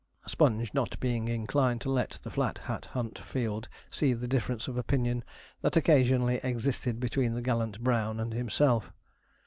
Sponge not being inclined to let the Flat Hat Hunt field see the difference of opinion that occasionally existed between the gallant brown and himself.